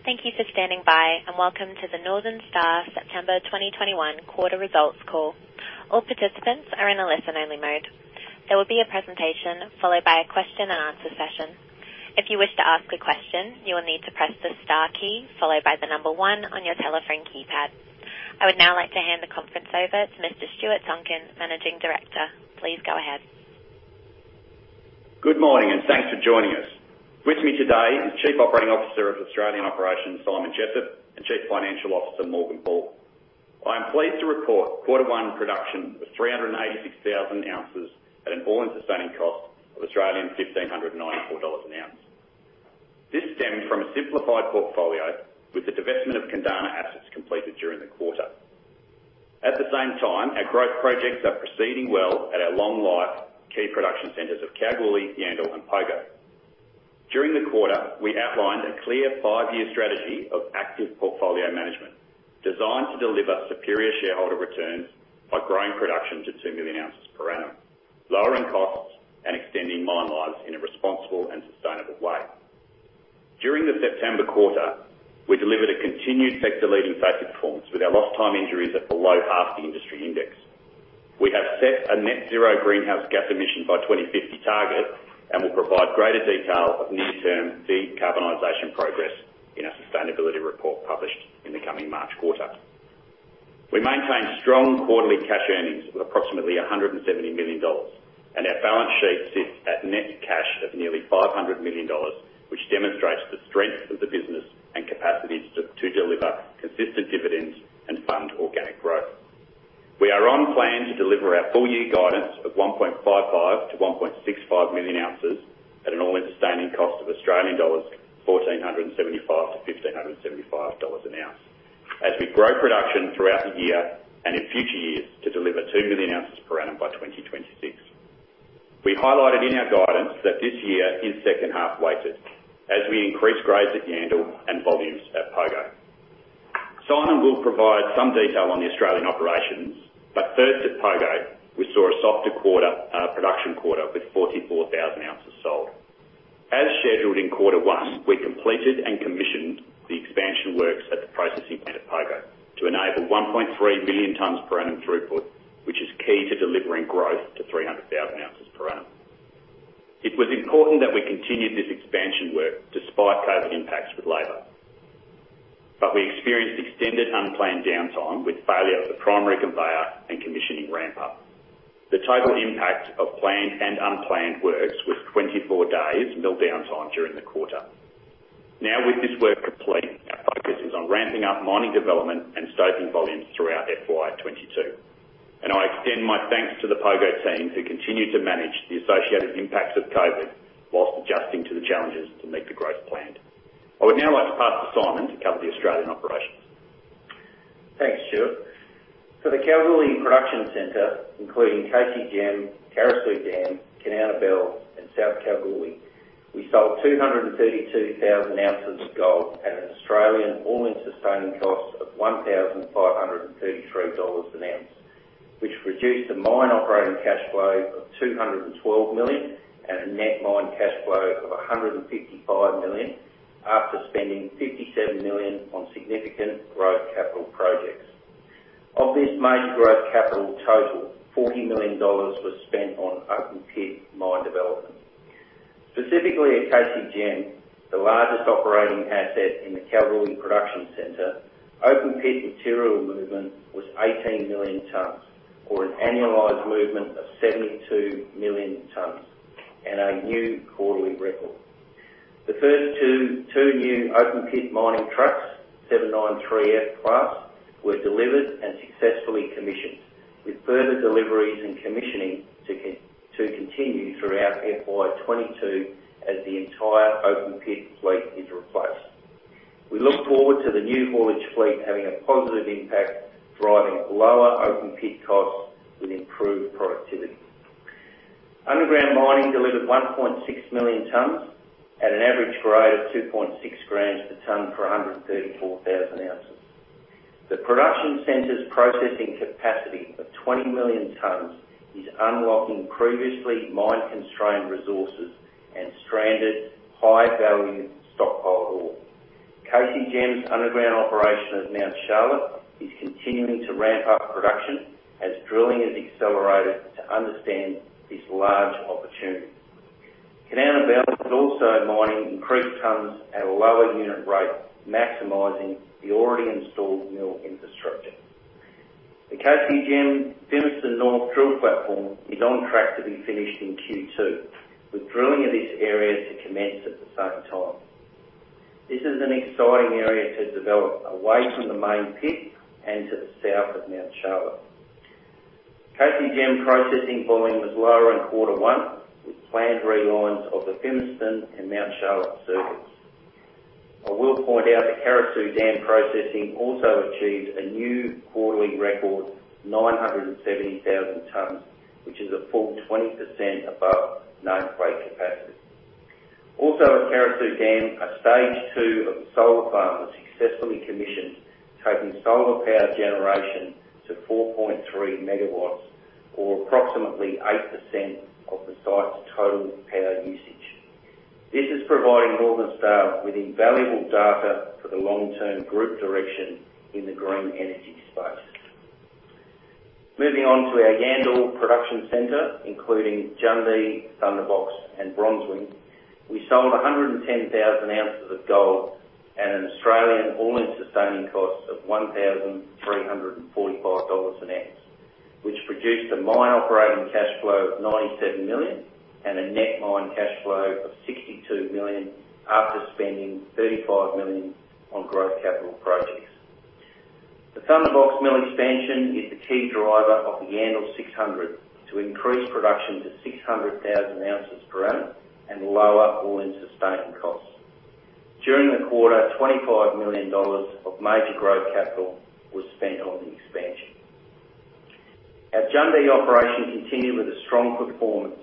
Thank you for standing by, and welcome to the Northern Star September 2021 Quarter Results Call. All participants are in a listen-only mode. There will be a presentation followed by a question and answer session. If you wish to ask a question, you will need to press the star key followed by the number one on your telephone keypad. I would now like to hand the conference over to Mr Stuart Tonkin, Managing Director. Please go ahead. Good morning, and thanks for joining us. With me today is Chief Operating Officer of Australian Operations, Simon Jessop, and Chief Financial Officer, Morgan Ball. I am pleased to report quarter one production was 386,000 oz at an all-in sustaining cost of Australian 1,594 Australian dollars an ounce. This stemmed from a simplified portfolio with the divestment of Kundana assets completed during the quarter. At the same time, our growth projects are proceeding well at our long life key production centers of Kalgoorlie, Yandal, and Pogo. During the quarter, we outlined a clear five-year strategy of active portfolio management designed to deliver superior shareholder returns by growing production to 2 million oz per annum, lowering costs, and extending mine lives in a responsible and sustainable way. During the September quarter, we delivered a continued sector-leading safety performance with our lost time injuries at below half the industry index. We have set a net zero greenhouse gas emission by 2050 target and will provide greater detail of near-term decarbonization progress in our sustainability report published in the coming March quarter. We maintain strong quarterly cash earnings of approximately 170 million dollars, and our balance sheet sits at net cash of nearly 500 million dollars, which demonstrates the strength of the business and capacity to deliver consistent dividends and fund organic growth. We are on plan to deliver our full year guidance of 1.55 million oz-1.65 million oz at an all-in sustaining cost of Australian dollars 1,475-1,575 dollars an ounce, as we grow production throughout the year and in future years to deliver 2 million oz per annum by 2026. We highlighted in our guidance that this year is second half-weighted as we increase grades at Yandal and volumes at Pogo. Simon will provide some detail on the Australian operations, but first, at Pogo, we saw a softer production quarter with 44,000 oz sold. As scheduled in quarter one, we completed and commissioned the expansion works at the processing plant at Pogo to enable 1.3 million tons per annum throughput, which is key to delivering growth to 300,000 oz per annum. It was important that we continued this expansion work despite COVID impacts with labor, but we experienced extended unplanned downtime with failure of the primary conveyor and commissioning ramp up. The total impact of planned and unplanned works was 24 days mill downtime during the quarter. Now, with this work complete, our focus is on ramping up mining development and stoping volumes throughout FY 2022. I extend my thanks to the Pogo team who continue to manage the associated impacts of COVID whilst adjusting to the challenges to meet the growth planned. I would now like to pass to Simon to cover the Australian operations. Thanks, Stu. For the Kalgoorlie Production Center, including KCGM, Carosue Dam, Kanowna Belle, and South Kalgoorlie, we sold 232,000 oz of gold at an Australian all-in sustaining cost of AUD 1,533 an ounce, which produced a mine operating cash flow of AUD 212 million and a net mine cash flow of AUD 155 million after spending AUD 57 million on significant growth capital projects. Of this major growth capital total, 40 million dollars was spent on open pit mine development. Specifically at KCGM, the largest operating asset in the Kalgoorlie production center, open pit material movement was 18 million tons, or an annualized movement of 72 million tons, and a new quarterly record. The first two new open pit mining trucks, 793F-class, were delivered and successfully commissioned with further deliveries and commissioning to continue throughout FY 2022 as the entire open pit fleet is replaced. We look forward to the new haulage fleet having a positive impact, driving lower open pit costs with improved productivity. Underground mining delivered 1.6 million tons at an average grade of 2.6 g per ton for 134,000 ounces. The production center's processing capacity of 20 million tons is unlocking previously mine-constrained resources and stranded high-value stockpile ore. KCGM's underground operation at Mount Charlotte is continuing to ramp-up production as drilling is accelerated to understand this large opportunity. Kanowna Bell is also mining increased tons at a lower unit rate, maximizing the already installed mill infrastructure. The KCGM Fimiston North drill platform is on track to be finished in Q2, with drilling of this area to commence at the same time. This is an exciting area to develop away from the main pit and to the south of Mount Charlotte. KCGM processing volume was lower in quarter one with planned relines of the Fimiston and Mount Charlotte circuits. I will point out that Carosue Dam processing also achieved a new quarterly record, 970,000 tons, which is a full 20% above nameplate capacity. Also at Carosue Dam, a stage two of the solar farm was successfully commissioned, taking solar power generation to 4.3 MW or approximately 8% of the site's total power usage. This is providing Northern Star with invaluable data for the long-term group direction in the green energy space. Moving on to our Yandal production center, including Jundee, Thunderbox, and Bronzewing. We sold 110,000 oz of gold at an Australian all-in sustaining cost of 1,345 dollars an ounce, which produced a mine operating cash flow of 97 million and a net mine cash flow of 62 million after spending 35 million on growth capital projects. The Thunderbox mill expansion is the key driver of the Yandal 600 to increase production to 600,000 oz per annum and lower all-in sustaining costs. During the quarter, 25 million dollars of major growth capital was spent on the expansion. Our Jundee operation continued with a strong performance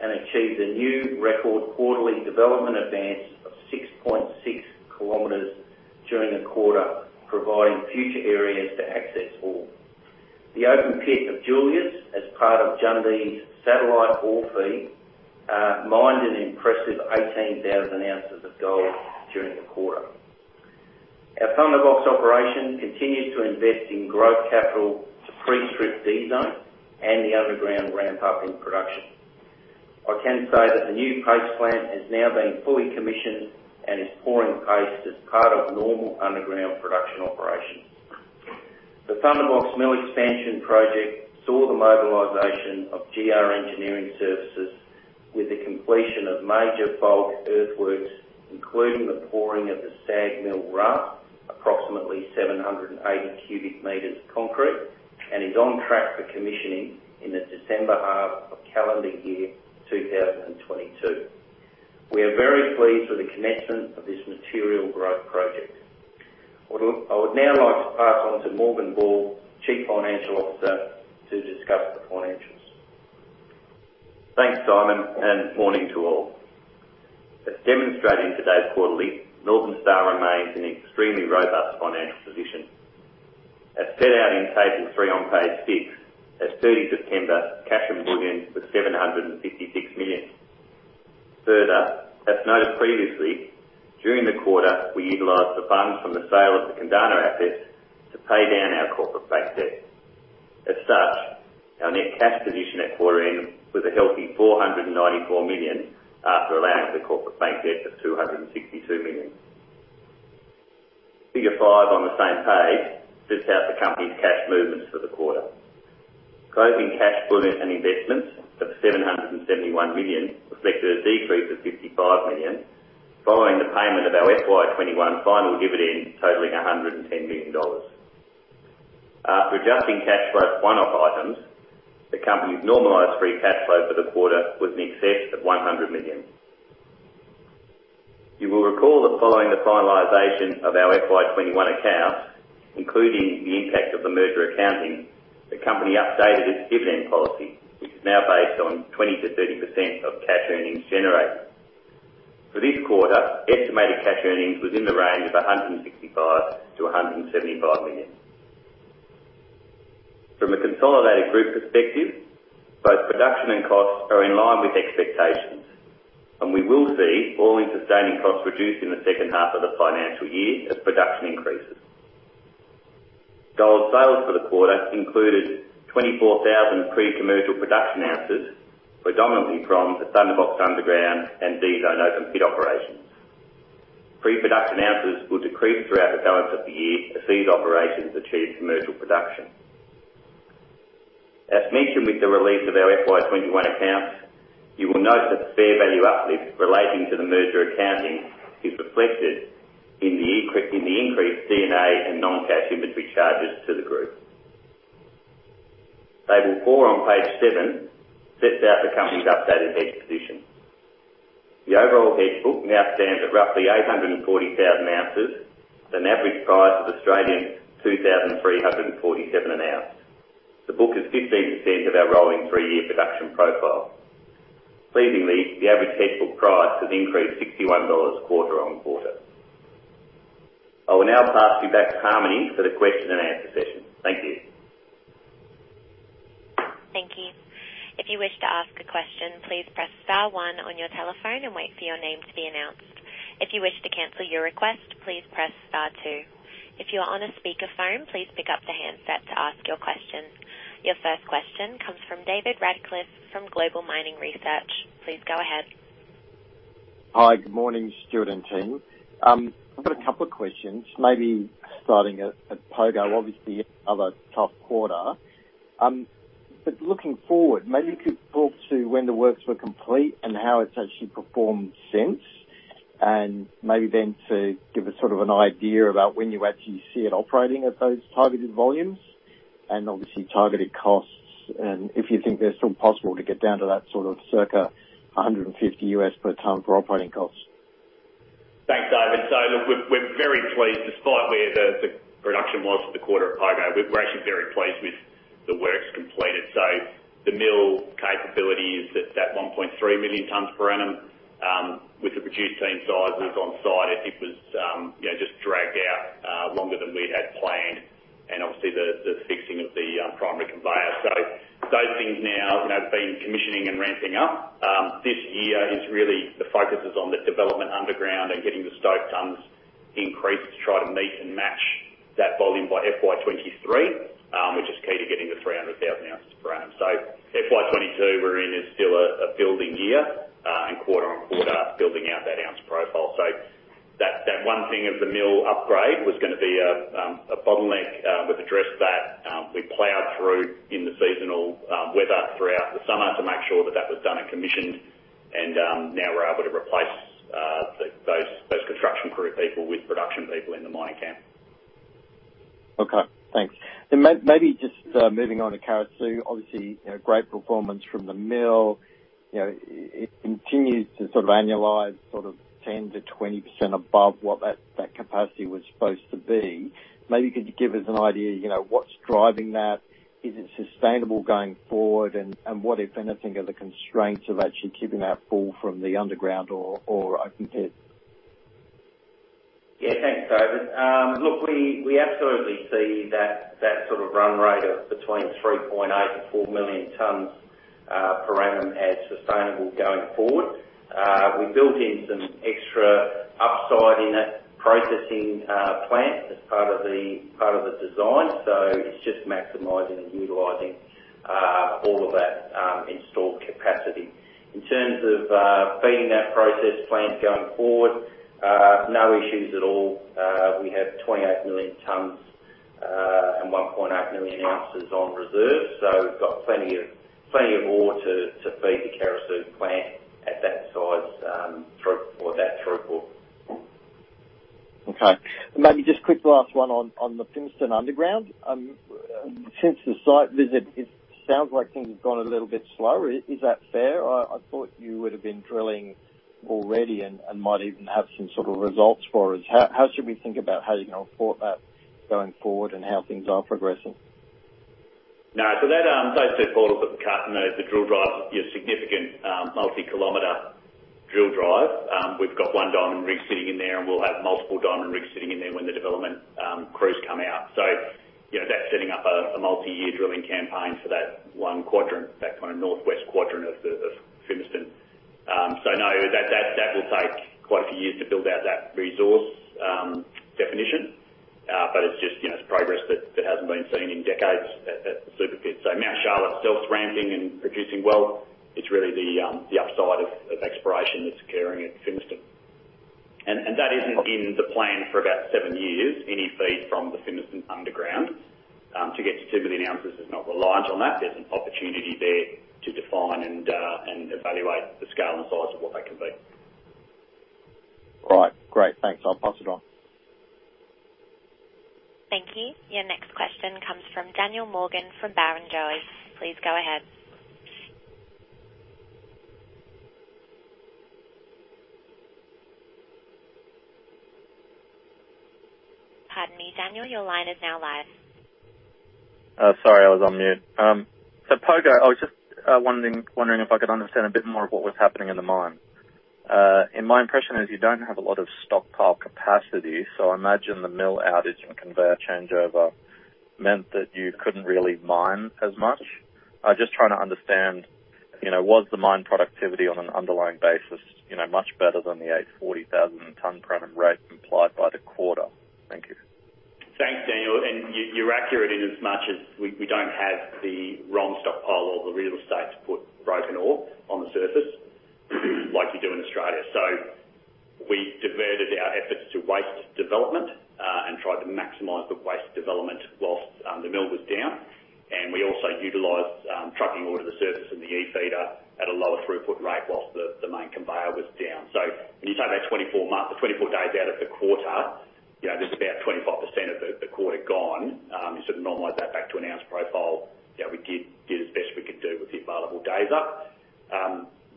and achieved a new record quarterly development advance of 6.6 km during the quarter, providing future areas to access ore. The open pit of Julius, as part of Jundee's satellite ore feed, mined an impressive 18,000 oz of gold during the quarter. Our Thunderbox operation continues to invest in growth capital to pre-strip D-zone and the underground ramp-up in production. I can say that the new paste plant has now been fully commissioned and is pouring paste as part of normal underground production operations. The Thunderbox mill expansion project saw the mobilization of GR Engineering Services with the completion of major bulk earthworks, including the pouring of the SAG mill ramp, approximately 780 cu m of concrete, and is on track for commissioning in the December half of calendar year 2022. We are very pleased with the commencement of this material growth project. I would now like to pass on to Morgan Ball, Chief Financial Officer, to discuss the financials. Thanks, Simon. Morning to all. As demonstrated in today's quarterly, Northern Star remains in extremely robust financial position. As set out in table three on page six, as of September 30, cash and bullion was 756 million. Further, as noted previously, during the quarter, we utilized the funds from the sale of the Kundana assets to pay down our corporate bank debt. As such, our net cash position at quarter end was a healthy 494 million after allowing for corporate bank debt of 262 million. Figure five on the same page sets out the company's cash movements for the quarter. Closing cash, bullion, and investments of AUD 771 million reflected a decrease of AUD 55 million following the payment of our FY 2021 final dividend totaling AUD 110 million. After adjusting cash flow one-off items, the company's normalized free cash flow for the quarter was in excess of 100 million. You will recall that following the finalization of our FY 2021 accounts, including the impact of the merger accounting, the company updated its dividend policy, which is now based on 20%-30% of cash earnings generated. For this quarter, estimated cash earnings was in the range of 165 million-175 million. From a consolidated group perspective, both production and costs are in line with expectations, and we will see all-in sustaining costs reduce in the second half of the financial year as production increases. Gold sales for the quarter included 24,000 pre-commercial production ounces, predominantly from the Thunderbox underground and D-zone open pit operations. Pre-production ounces will decrease throughout the balance of the year as these operations achieve commercial production. As mentioned with the release of our FY 2021 accounts, you will note that the fair value uplift relating to the merger accounting is reflected in the increased D&A and non-cash inventory charges to the group. Table four on page seven sets out the company's updated hedge position. The overall hedge book now stands at roughly 840,000 oz, at an average price of 2,347 an ounce. The book is 15% of our rolling three-year production profile. Pleasingly, the average hedge book price has increased 61 dollars quarter on quarter. I will now pass you back to Harmony for the question and answer session. Thank you. Thank you. If you wish to ask a question, please press star one on your telephone and wait for your name to be announced. If you wish to cancel your request, please press star two. If you are on a speakerphone, please pick up the handset to ask your question. Your first question comes from David Radclyffe from Global Mining Research. Please go ahead. Hi, good morning, Stuart and team. I've got a couple of questions, maybe starting at Pogo, obviously, of a tough quarter. Looking forward, maybe you could talk to when the works were complete and how it's actually performed since, and maybe then to give us sort of an idea about when you actually see it operating at those targeted volumes and obviously targeted costs, and if you think they're still possible to get down to that sort of circa $150 per ton for operating costs. Thanks, David. Look, we're very pleased despite where the production was for the quarter at Pogo. We're actually very pleased with the works completed. The mill capability is at that 1.3 million tons per annum. Reduce team sizes on site if it was just dragged out longer than we had planned and obviously the fixing of the primary conveyor. Those things now have been commissioning and ramping up. This year, really the focus is on the development underground and getting the stoped tons increased to try to meet and match that volume by FY 2023, which is key to getting the 300,000 ozper annum. FY 2022 we're in is still a building year and quarter on quarter building out that ounce profile. That one thing of the mill upgrade was going to be a bottleneck. We've addressed that. We plowed through in the seasonal weather throughout the summer to make sure that was done and commissioned and now we're able to replace those construction crew people with production people in the mining camp. Okay, thanks. Maybe just moving on to Carosue. Obviously, great performance from the mill. It continues to annualize 10%-20% above what that capacity was supposed to be. Maybe could you give us an idea, what's driving that? Is it sustainable going forward? What, if anything, are the constraints of actually keeping that full from the underground or open pit? Yeah, thanks, David. Look, we absolutely see that sort of run rate of between 3.8 million tons-4 million tons per annum as sustainable going forward. We built in some extra upside in that processing plant as part of the design. It's just maximizing and utilizing all of that installed capacity. In terms of feeding that process plant going forward, no issues at all. We have 28 million tons, and 1.8 million oz on reserve. We've got plenty of ore to feed the Carosue plant at that size for that throughput. Okay. Maybe just quick last one on the Fimiston underground. Since the site visit, it sounds like things have gone a little bit slower. Is that fair? I thought you would've been drilling already and might even have some sort of results for us. How should we think about how you're going to report that going forward and how things are progressing? No. Those two portals that we cut and the drill drive is a significant multi-kilometer drill drive. We've got one diamond rig sitting in there, and we'll have multiple diamond rigs sitting in there when the development crews come out. That's setting up a multi-year drilling campaign for that one quadrant, that kind of northwest quadrant of Fimiston. No, that will take quite a few years to build out that resource definition. It's just progress that hasn't been seen in decades at the Super Pit. Mount Charlotte, self-ramping and producing wealth, it's really the upside of exploration that's occurring at Fimiston. That isn't in the plan for about seven years, any feed from the Fimiston underground. To get to 2 million oz is not reliant on that. There's an opportunity there to define and evaluate the scale and size of what they can be. All right, great. Thanks. I'll pass it on. Thank you. Your next question comes from Daniel Morgan from Barrenjoey. Please go ahead. Pardon me, Daniel, your line is now live. Sorry, I was on mute. Pogo, I was just wondering if I could understand a bit more of what was happening in the mine. My impression is you don't have a lot of stockpile capacity, so I imagine the mill outage and conveyor changeover meant that you couldn't really mine as much. I'm just trying to understand, was the mine productivity on an underlying basis much better than the 840,000 ton per annum rate implied by the quarter? Thank you. Thanks, Daniel, you're accurate in as much as we don't have the ROM stockpile or the real estate to put broken ore on the surface like you do in Australia. We diverted our efforts to waste development, and tried to maximize the waste development whilst the mill was down. We also utilized trucking ore to the surface and the e-feeder at a lower throughput rate whilst the main conveyor was down. When you take that 24 days out of the quarter, just about 25% of the quarter gone, you sort of normalize that back to an ounce profile. We did as best we could do with the available days up.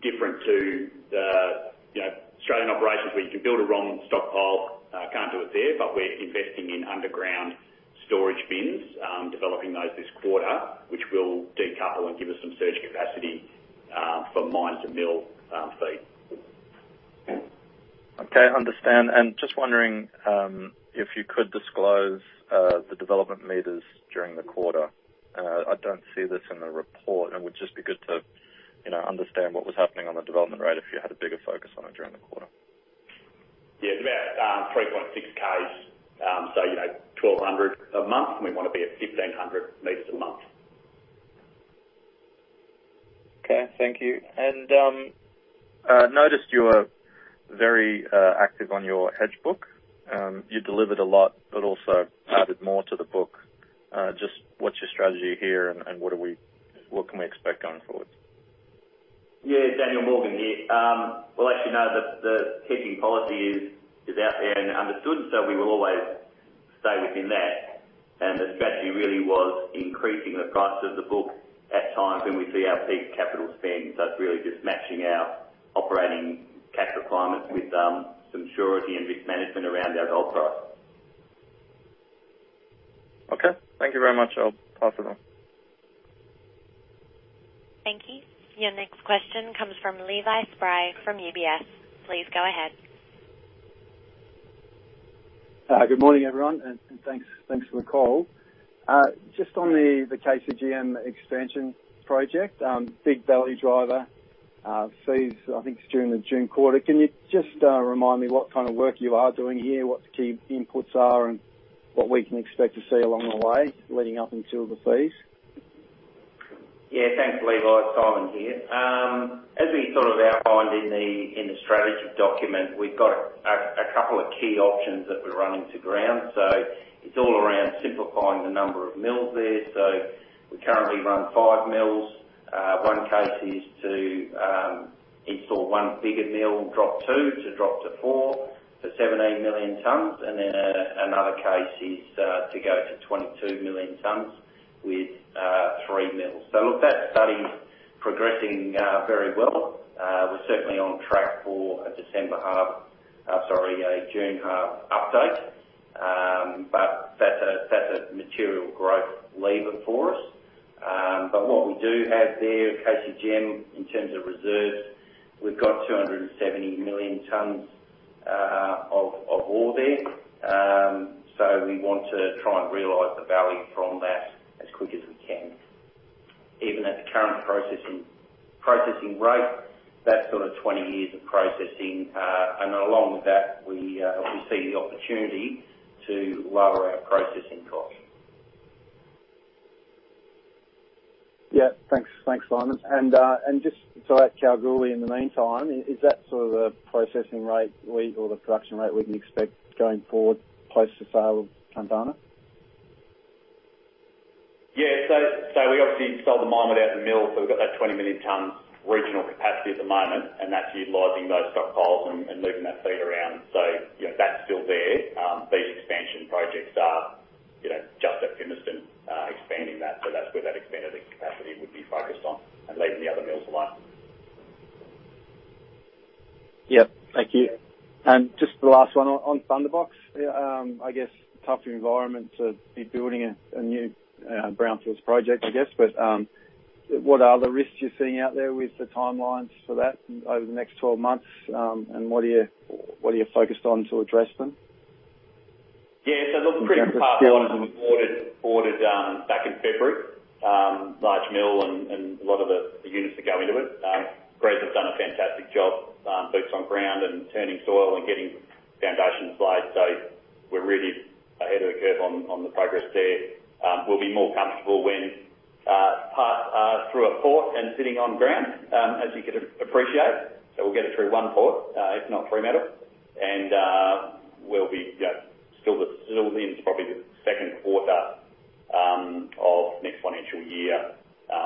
Different to the Australian operations where you can build a ROM stockpile. Can't do it there. We're investing in underground storage bins, developing those this quarter, which will decouple and give us some surge capacity for mine to mill feed. Okay, understand. Just wondering if you could disclose the development meters during the quarter. I don't see this in the report, and would just be good to understand what was happening on the development rate if you had a bigger focus on it during the quarter. Yeah. It's about 3,600, 1,200 a month, and we want to be at 1,500 m a month. Okay, thank you. I noticed you are very active on your hedge book. You delivered a lot, but also added more to the book. Just what's your strategy here and what can we expect going forward? Yeah, Daniel. Morgan here. Well, as you know, the hedging policy is out there and understood. We will always stay within that. The strategy really was increasing the price of the book at times when we see our peak capital spend. It's really just matching our operating cash requirements with some surety and risk management around our gold price. Okay. Thank you very much. I'll pass it on. Thank you. Your next question comes from Levi Spry from UBS. Please go ahead. Good morning, everyone, and thanks for the call. Just on the KCGM expansion project, big value driver phase, I think it's during the June quarter. Can you just remind me what kind of work you are doing here, what the key inputs are, and what we can expect to see along the way leading up until the phase? Thanks, Levi. Simon here. As we outlined in the strategy document, we've got a couple of key options that we're running to ground. It's all around simplifying the number of mills there. We currently run five mills. One case is to install one bigger mill, drop two, to drop to four for 17 million tons, another case is to go to 22 million tons with three mills. Look, that study's progressing very well. We're certainly on track for a June half update. That's a material growth lever for us. What we do have there, KCGM, in terms of reserves, we've got 270 million tons of ore there. We want to try and realize the value from that as quick as we can. Even at the current processing rate, that's 20 years of processing. Along with that, we see the opportunity to lower our processing costs. Yeah. Thanks, Simon. Just at Kalgoorlie in the meantime, is that sort of the processing rate or the production rate we can expect going forward post the sale of Kundana? Yeah. We obviously sold the 20 million tons mill, so we've got that 20 million tons regional capacity at the moment, and that's utilizing those stockpiles and, moving that fleet around. That's still there. These expansion projects are just at Fimiston, expanding that. That's where that expanded capacity would be focused on and leaving the other mills alone. Yep. Thank you. Just the last one on Thunderbox. I guess, tough environment to be building a new brownfields project, I guess. What are the risks you're seeing out there with the timelines for that over the next 12 months, and what are you focused on to address them? Yeah. In terms of skills and- 2024 ordered back in February, large mill and a lot of the units that go into it. Greg has done a fantastic job, boots on ground and turning soil and getting foundations laid. We're really ahead of the curve on the progress there. We'll be more comfortable when parts are through a port and sitting on ground, as you can appreciate. We'll get it through one port, if not three metal. And we'll be still in probably the second quarter of next 22 year,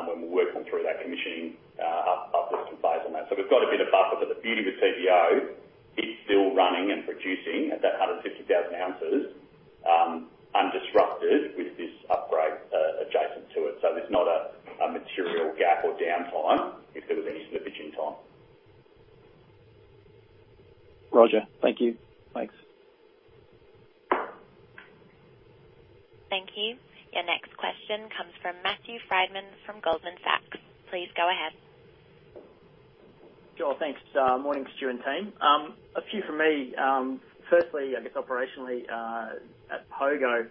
when we're working through that commissioning upwards from phase on that. We've got a bit of buffer, but the beauty of a TGO, it's still running and producing at that 150,000 oz undisrupted with this upgrade adjacent to it. There's not a material gap or downtime if there was any slippage in time. Roger. Thank you. Thanks. Thank you. Your next question comes from Matthew Frydman from Goldman Sachs. Please go ahead. Sure. Thanks. Morning, Stu and team. A few from me. Firstly, I guess operationally, at Pogo,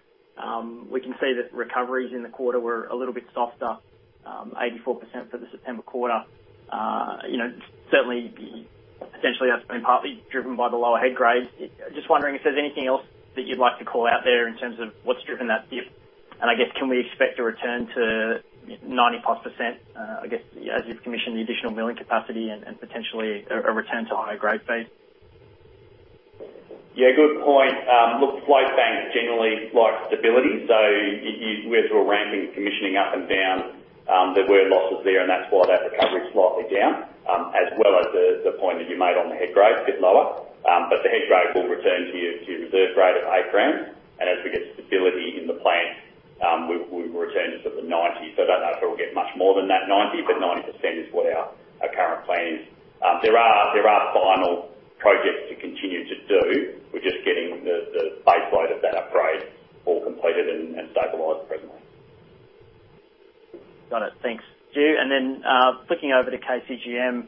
we can see that recoveries in the quarter were a little bit softer, 84% for the September quarter. Certainly, essentially, that's been partly driven by the lower head grades. Just wondering if there's anything else that you'd like to call out there in terms of what's driven that dip. I guess, can we expect a return to 90+%, I guess, as you've commissioned the additional milling capacity and potentially a return to higher grade feed? Yeah, good point. Look, float banks generally like stability. Where through a ramping and commissioning up and down, there were losses there, and that's why that recovery's slightly down. As well as the point that you made on the head grades a bit lower. The head grades will return to reserve grade of 8 grams. As we get stability in the plant, we will return to sort of the 90. I don't know if it'll get much more than that 90, but 90% is what our current plan is. There are final projects to continue to do. We're just getting the baseline of that upgrade all completed and stabilized presently. Got it. Thanks, Stu. Flicking over to KCGM,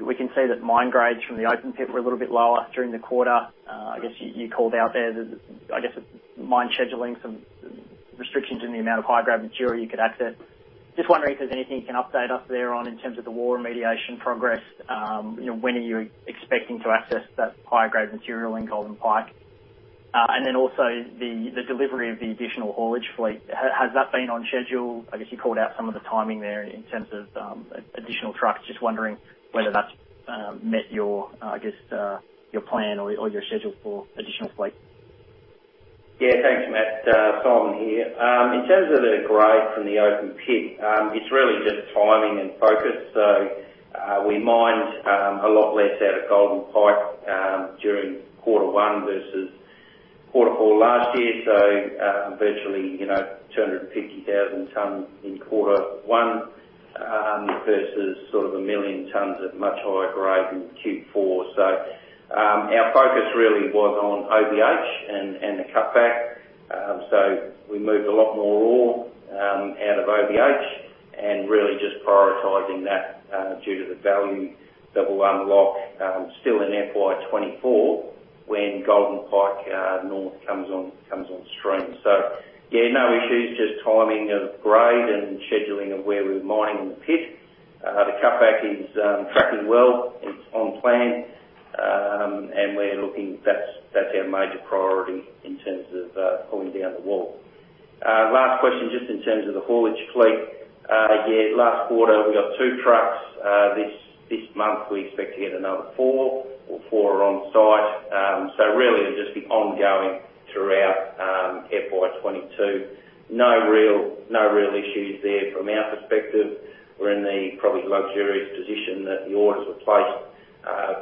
we can see that mine grades from the open pit were a little bit lower during the quarter. I guess you called out there the, I guess, mine scheduling, some restrictions in the amount of high-grade material you could access. Just wondering if there's anything you can update us there on in terms of the water remediation progress. When are you expecting to access that higher grade material in Golden Pike? Also the delivery of the additional haulage fleet. Has that been on schedule? I guess you called out some of the timing there in terms of additional trucks. Just wondering whether that's met your plan or your schedule for additional fleet. Yeah. Thanks, Matt. Simon here. In terms of the grade from the open pit, it's really just timing and focus. We mined a lot less out of Golden Pike during Q1 versus Q4 last year. Virtually, 250,000 ton in Q1 Versus sort of 1 million tons at much higher grade in Q4. Our focus really was on OBH and the cutback. We moved a lot more ore out of OBH and really just prioritizing that due to the value that will unlock still in FY 2024 when Golden Pike North comes on stream. Yeah, no issues, just timing of grade and scheduling of where we're mining the pit. The cutback is tracking well. It's on plan. That's our major priority in terms of pulling down the wall. Last question, just in terms of the haulage fleet. Yeah, last quarter, we got two trucks. This month, we expect to get another four, all four are on site. Really it'll just be ongoing throughout FY 2022. No real issues there from our perspective. We're in the probably luxurious position that the orders were placed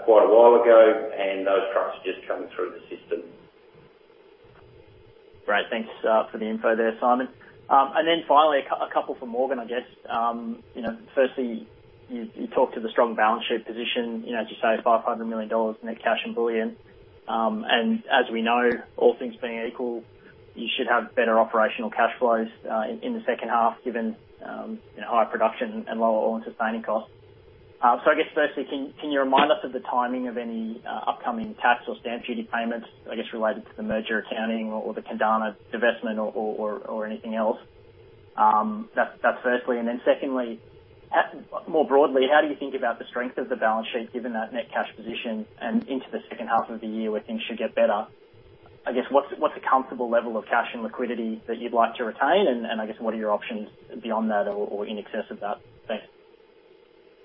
quite a while ago, and those trucks are just coming through the system. Great. Thanks for the info there, Simon. Finally, a couple for Morgan, I guess. Firstly, you talked to the strong balance sheet position, as you say, 500 million dollars net cash and bullion. As we know, all things being equal, you should have better operational cash flows in the second half, given higher production and lower all-in sustaining costs. I guess firstly, can you remind us of the timing of any upcoming tax or stamp duty payments, I guess, related to the merger accounting or the Kundana divestment or anything else? That's firstly. Secondly, more broadly, how do you think about the strength of the balance sheet given that net cash position and into the second half of the year where things should get better? I guess, what's a comfortable level of cash and liquidity that you'd like to retain and, I guess, what are your options beyond that or in excess of that? Thanks.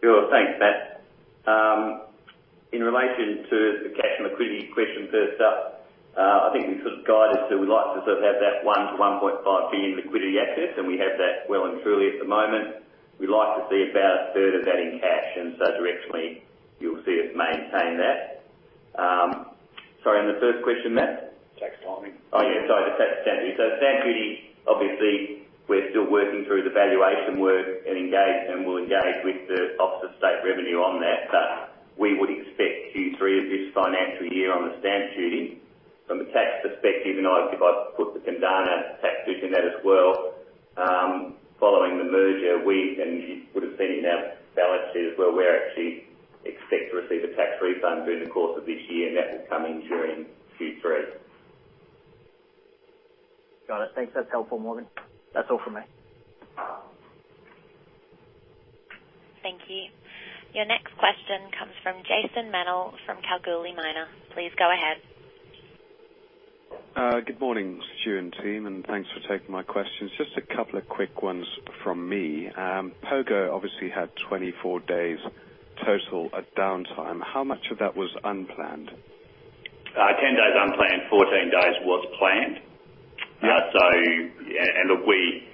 Sure. Thanks, Matt. In relation to the cash and liquidity question first up, I think we sort of guided to, we'd like to sort of have that 1 billion-1.5 billion in liquidity access. We have that well and truly at the moment. We'd like to see about a third of that in cash. Directionally, you'll see us maintain that. Sorry, the first question, Matt? Tax timing. Oh, yeah, sorry, the stamp duty. Stamp duty, obviously, we're still working through the valuation work, and we'll engage with the Office of State Revenue on that. We would expect Q3 of this financial year on the stamp duty. From a tax perspective, and if I put the Kundana tax hit in that as well, following the merger, and you would've seen in our balance sheet as well, we actually expect to receive a tax refund during the course of this year, and that will come in during Q3. Got it. Thanks. That's helpful, Morgan. That's all from me. Thank you. Your next question comes from Jason Mennell from Kalgoorlie Miner. Please go ahead. Good morning, Stuart and team, and thanks for taking my questions. Just a couple of quick ones from me. Pogo obviously had 24 days total of downtime. How much of that was unplanned? 10 days unplanned, 14 days was planned. Yeah. Look, we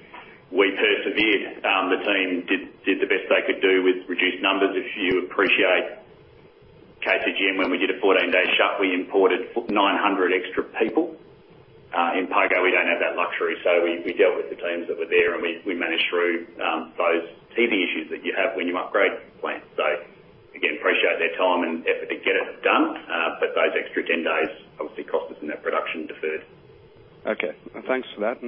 persevered. The team did the best they could do with reduced numbers. If you appreciate KCGM when we did a 14-day shut, we imported 900 extra people. In Pogo, we don't have that luxury, we dealt with the teams that were there, and we managed through those teething issues that you have when you upgrade plant. Again, appreciate their time and effort to get it done. Those extra 10 days obviously cost us in that production deferred. Okay. Thanks for that.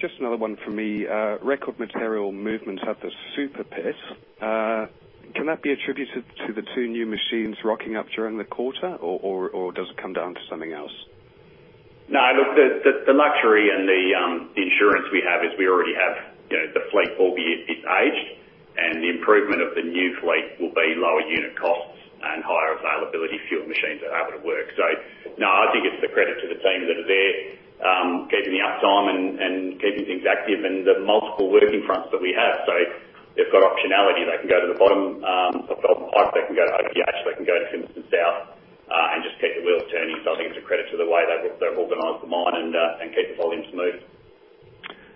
Just another one from me. Record material movements at the Super Pit. Can that be attributed to the two new machines rocking up during the quarter? Does it come down to something else? No. Look, the luxury and the insurance we have is we already have the fleet, albeit it's aged. The improvement of the new fleet will be lower unit costs and higher availability if your machines are able to work. No, I think it's the credit to the teams that are there, keeping the uptime and keeping things active and the multiple working fronts that we have. They've got optionality. They can go to the bottom of Golden Pike, they can go to OBH, they can go to Simpson South, and just keep the wheels turning. I think it's a credit to the way they've organized the mine and kept the volumes moved.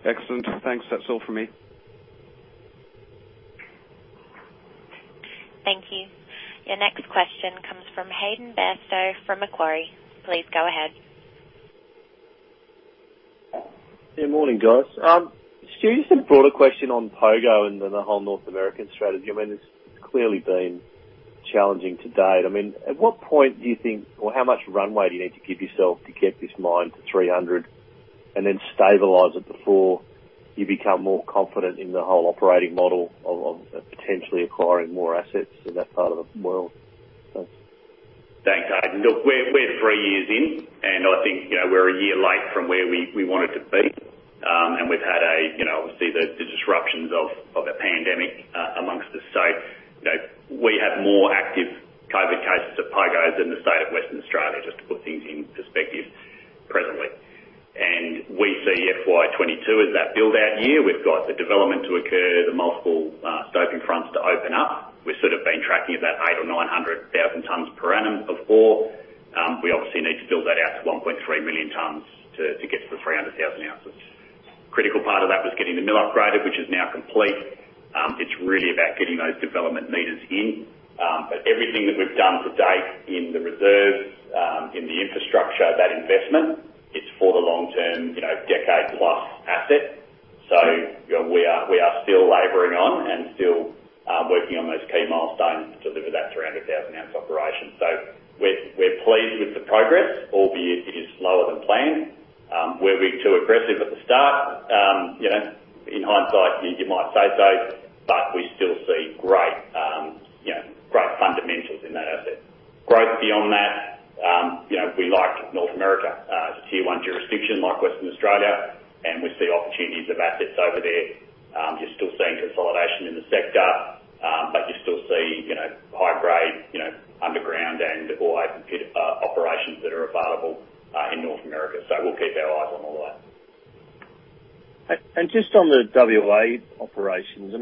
Excellent. Thanks. That's all from me. Thank you. Your next question comes from Hayden Bairstow from Macquarie. Please go ahead. Good morning, guys. Stu, just a broader question on Pogo and then the whole North American strategy. I mean, it's clearly been challenging to date. At what point do you think, or how much runway do you need to give yourself to get this mine to 300 and then stabilize it before you become more confident in the whole operating model of potentially acquiring more assets in that part of the world? Thanks. Thanks, Hayden. We're three years in, I think we're a year late from where we wanted to be. We've had, obviously, the disruptions of the pandemic amongst us. We have more active COVID cases at Pogo than the state of Western Australia, just to put things in perspective presently. We see FY 2022 as that build-out year. We've got the development to occur, the multiple scoping fronts to open up. We've sort of been tracking at that eight or 900,000 tons per annum of ore. We obviously need to build that out to 1.3 million tons to get to the 300,000 oz. Critical part of that was getting the mill upgraded, which is now complete. It's really about getting those development meters in. Everything that we've done to date in the reserves, in the infrastructure, that investment. It's for the long term, decade-plus asset. We are still laboring on and still working on those key milestones to deliver that 300,000-oz operation. We're pleased with the progress, albeit it is slower than planned. Were we too aggressive at the start? In hindsight, you might say so, but we still see great fundamentals in that asset. Growth beyond that, we liked North America as a tier one jurisdiction like Western Australia, and we see opportunities of assets over there. You're still seeing consolidation in the sector, but you still see high-grade underground and open-pit operations that are available in North America. We'll keep our eyes on the lot. Just on the WA operations,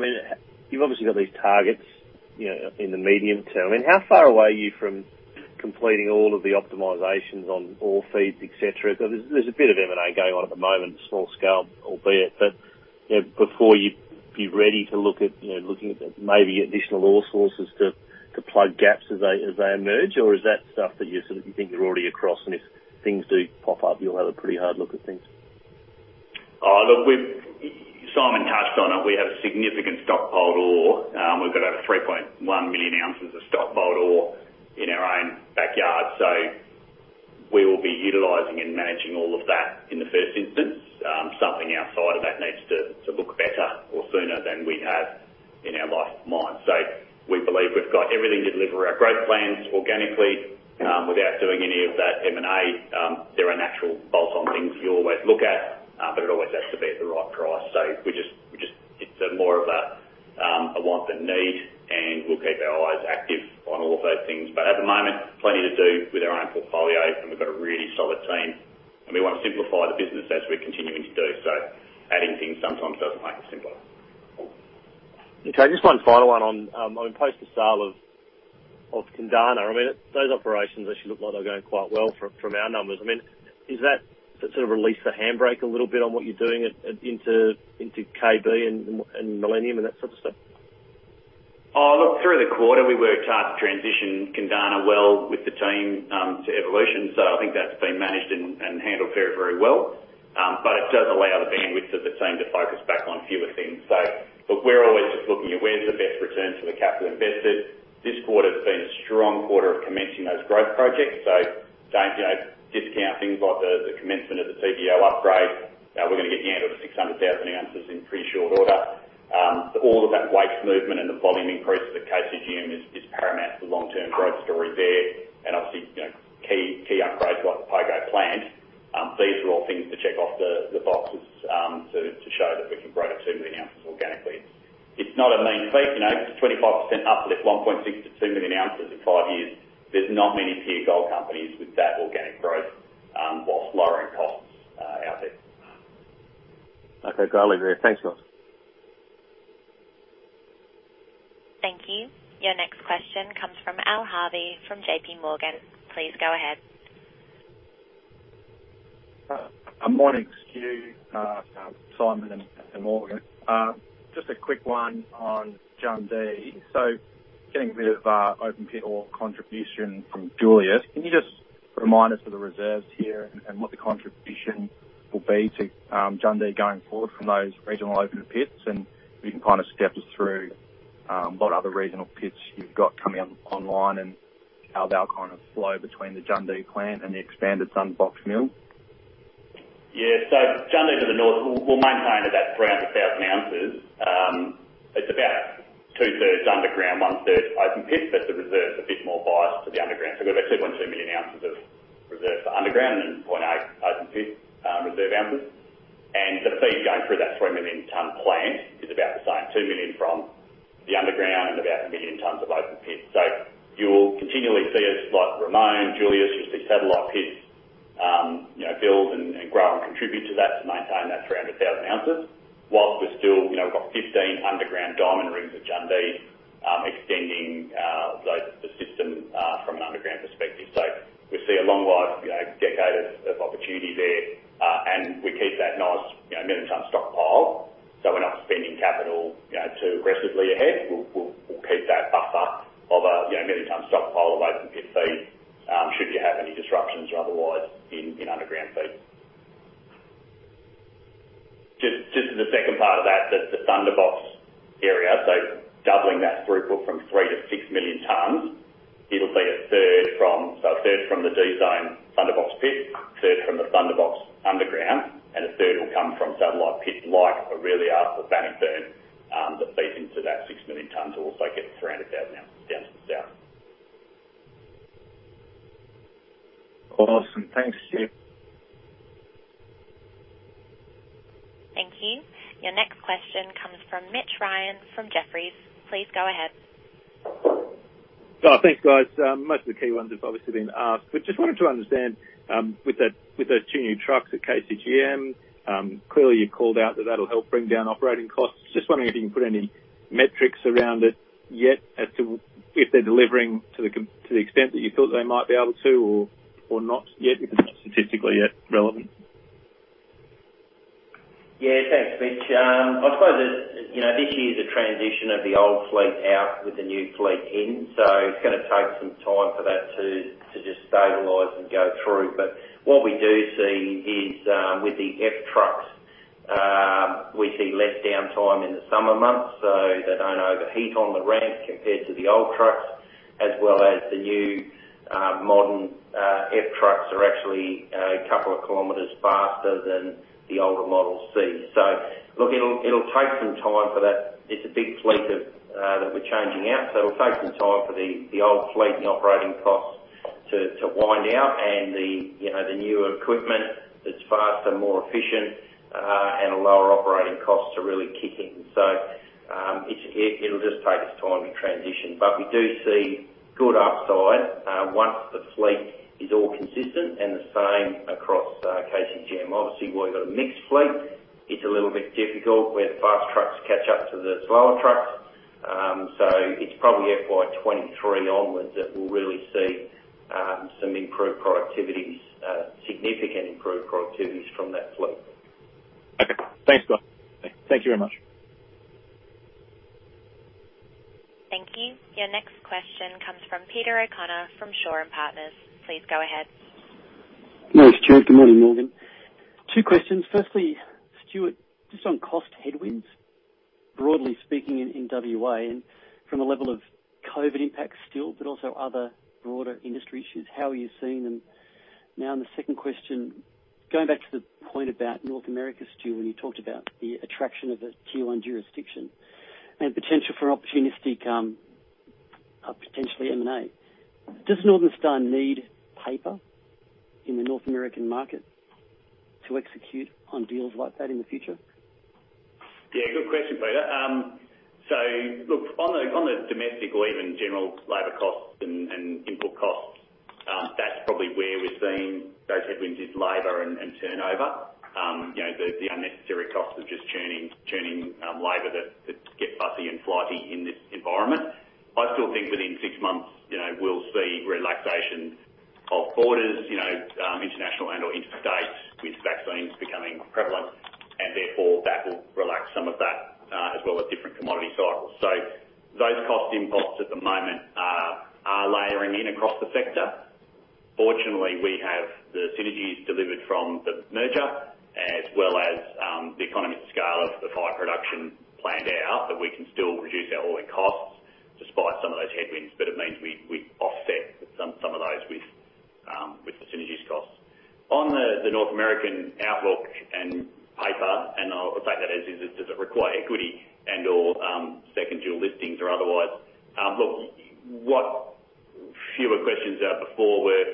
you obviously have these targets in the medium term. How far away are you from completing all of the optimizations on ore feed, et cetera? There's a bit of it that I go on at the moment, small scale, albeit. But before you'd be ready to look at maybe additional ore sources to plug gaps as they emerge, or is that stuff that you think you're already across and if things do pop up, you'll have a pretty hard look at things? Look, Simon touched on it. We have a significant stockpile ore. We've got over 3.1 million oz of stockpile ore in our own backyard. We will be utilizing and managing all of that in the first instance. We believe we've got everything to deliver our growth plans organically, without doing any of that M&A. There are natural bolt-on things you always look at, but it always has to be at the right price. It's more of a want than need, and we'll keep our eyes active on all of those things. At the moment, plenty to do with our own portfolio, and we've got a really solid team, and we want to simplify the business as we're continuing to do so. Adding things sometimes doesn't make it simpler. Cool. Okay, just one final one on post the sale of Kundana. Those operations actually look like they are going quite well from our numbers. Is that to release the handbrake a little bit on what you are doing into KB and Millennium and that sort of stuff? Look, through the quarter, we worked hard to transition Kundana well with the team to Evolution, so I think that's been managed and handled very well. It does allow the bandwidth of the team to focus back on fewer things. We're always just looking at where's the best return for the capital invested. This quarter's been a strong quarter of commencing those growth projects. Don't discount things like the commencement of the TGO upgrade. We're going to get Yandal to 600,000 oz in pretty short order. All of that waste movement and the volume increase at KCGM is paramount to the long-term growth story there. Obviously, key upgrades like the Pogo plant. These are all things to check off the boxes to show that we can grow to 2 million oz organically. It's not a mean feat. It's a 25% uplift, 1.6 to 2 million oz in five years. There's not many peer gold companies with that organic growth, whilst lowering costs, out there. Okay, got it there. Thanks, much. Thank you. Your next question comes from Al Harvey from JPMorgan. Please go ahead. Morning, Stu, Simon, and Morgan. Just a quick one on Jundee. Getting a bit of open-pit ore contribution from Julius. Can you just remind us of the reserves here and what the contribution will be to Jundee going forward from those regional open pits? If you can step us through what other regional pits you've got coming online and how they'll flow between the Jundee plant and the expanded Thunderbox mill? Yeah. Jundee to the north, we'll maintain at about 300,000 oz. It's about two-thirds underground, one-third open pit, the reserve's a bit more biased to the underground. We've got about 2.2 million oz of reserve for underground and 0.8 open pit reserve ounces. The feed going through that 3 million ton plant is about the same, 2 million from the underground and about 1 million tons of open pit. You'll continually see us, like Ramone, Julius, you'll see satellite pits build and grow and contribute to that to maintain that 300,000 oz. We've got 15 underground diamond rigs at Jundee extending the system from an underground perspective. We see a long life, decade of opportunity there. We keep that nice 1 million ton stockpile, we're not spending capital too aggressively ahead. We'll keep that buffer of a 1 million ton stockpile of open pit feed should you have any disruptions or otherwise in underground feed. Just as a second part of that, the Thunderbox area, doubling that throughput from 3 million tons-6 million tons, it'll be a third from the designed Thunderbox pit, a third from the Thunderbox underground, and a third will come from satellite pits like Orelia or Bannockburn that feed into that 6 million tons to also get 300,000 oz down south. Awesome. Thanks, Stu. Thank you. Your next question comes from Mitch Ryan from Jefferies. Please go ahead. Thanks, guys. Most of the key ones have obviously been asked, but just wanted to understand, with the two new trucks at KCGM, clearly you called out that that'll help bring down operating costs. Just wondering if you can put any metrics around it yet as to if they're delivering to the extent that you thought they might be able to or not yet, if it's not statistically yet relevant? Yeah, thanks, Mitch. I suppose this year is a transition of the old fleet out with the new fleet in, so it's going to take some time for that to just stabilize and go through. What we do see is, with the F-Trucks, we see less downtime in the summer months, so they don't overheat on the ramp compared to the old trucks, as well as the new modern F-Trucks are actually a couple of kilometers faster than the older Model C. Look, it'll take some time for that. It's a big fleet that we're changing out, so it'll take some time for the old fleet and operating costs to wind out, and the newer equipment that's faster, more efficient, and lower operating costs to really kick in. It'll just take us time to transition. We do see good upside once the fleet is all consistent and the same across KCGM. Obviously, where you've got a mixed fleet, it's a little bit difficult where the fast trucks catch up to the slower trucks. It's probably FY 2023 onwards that we'll really see some improved productivities, significant improved productivities from that fleet. Okay. Thanks, guys. Thank you very much. Thank you. Your next question comes from Peter O'Connor from Shaw and Partners. Please go ahead. Thanks, Stuart. Good morning, Morgan. Two questions. Firstly, Stuart, just on cost headwinds, broadly speaking in WA, and from a level of COVID impact still, but also other broader industry issues, how are you seeing them now? The second question, going back to the point about North America, Stu, when you talked about the attraction of a tier one jurisdiction and potential for opportunistic potentially M&A. Does Northern Star need paper in the North American market to execute on deals like that in the future? Yeah, good question, Peter. Look, on the domestic or even general labor costs and input costs, that's probably where we're seeing those headwinds is labor and turnover. The unnecessary cost of just churning labor that get fussy and flighty in this environment. I still think within six months, we'll see relaxation of borders, international and/or interstate, with vaccines becoming prevalent, and therefore that will relax some of that, as well as different commodity cycles. Those cost inputs at the moment are layering in across the sector. Fortunately, we have the synergies delivered from the merger as well as the economies of scale of the higher production planned out that we can still reduce our oil costs despite some of those headwinds. It means we offset some of those with the synergies costs. On the North American outlook and paper, and I'll take that as, does it require equity and/or second dual listings or otherwise? Look, what fewer questions there before were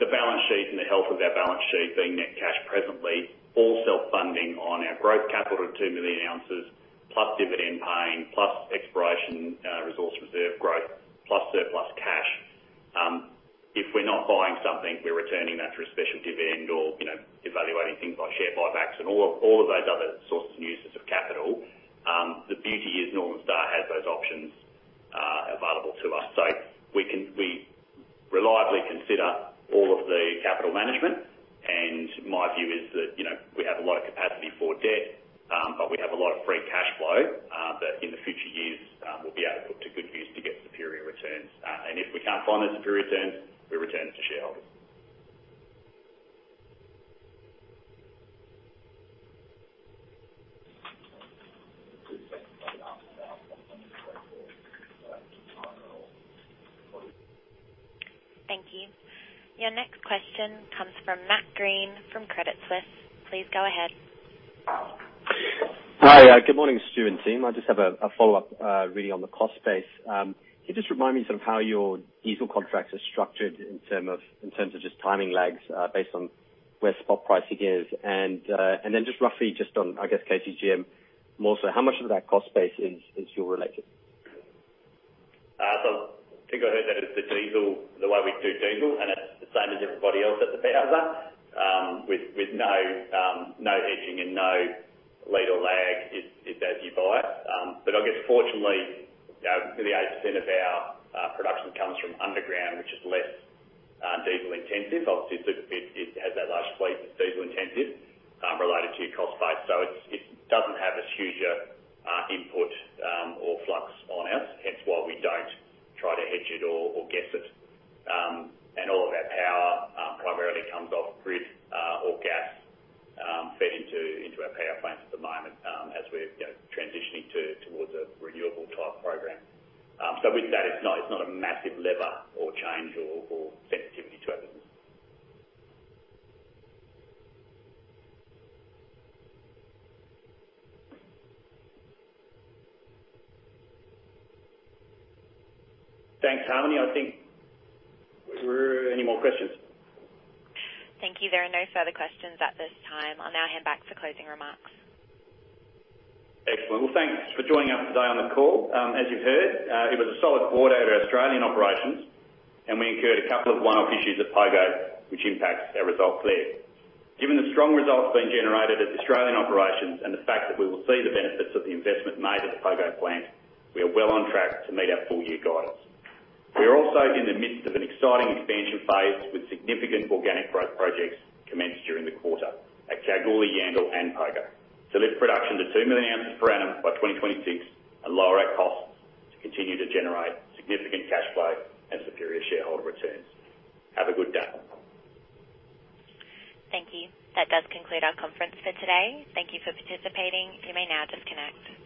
the balance sheet and the health of that balance sheet being net cash presently, all self-funding on our growth capital at 2 million oz, plus dividend paying, plus exploration resource reserve growth, plus surplus cash. If we're not buying something, we're returning that through a special dividend or evaluating things like share buybacks and all of those other sources and uses of capital. The beauty is Northern Star has those options available to us. We reliably consider all of the capital management, and my view is that we have a lot of capacity for debt, but we have a lot of free cash flow that in the future years will be able to put to good use to get superior returns. If we can't find the superior return, we return it to shareholders. Thank you. Your next question comes from Matt Greene from Credit Suisse. Please go ahead. Hi. Good morning, Stu and team. I just have a follow-up really on the cost base. Can you just remind me how your diesel contracts are structured in terms of just timing lags based on where spot pricing is? Just roughly just on, I guess KCGM more so, how much of that cost base is fuel related? I think I heard that as the diesel, the way we do diesel, and it's the same as everybody else that's a powerhouse with no hedging and no lead or lag. It's as you buy. I guess fortunately, nearly 8% of our production comes from underground, which is less diesel intensive. Obviously, Super Pit, it has that large fleet, diesel intensive related to your cost base. It doesn't have as huge an input or flux on us, hence why we don't try to hedge it or guess it. All of our power primarily comes off-grid or gas fed into our power plants at the moment as we're transitioning towards a renewable type program. With that, it's not a massive lever or change or sensitivity to others. Thanks, Harmony. I think were there any more questions? Thank you. There are no further questions at this time. I'll now hand back for closing remarks. Excellent. Well, thanks for joining us today on the call. As you heard, it was a solid quarter at our Australian operations and we incurred a couple of one-off issues at Pogo, which impacts our result clear. Given the strong results being generated at Australian operations and the fact that we will see the benefits of the investment made at the Pogo plant, we are well on track to meet our full-year guidance. We are also in the midst of an exciting expansion phase with significant organic growth projects commenced during the quarter at Kalgoorlie, Yandal, and Pogo to lift production to 2 million oz per annum by 2026 and lower our costs to continue to generate significant cash flow and superior shareholder returns. Have a good day. Thank you. That does conclude our conference for today. Thank you for participating. You may now disconnect.